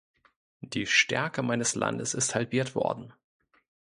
Die Stärke meines Landes ist halbiert worden.